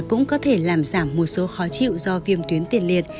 cũng có thể làm giảm một số khó chịu do viêm tuyến tiền liệt